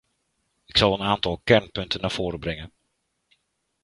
Ik zal een aantal kernpunten naar voren brengen.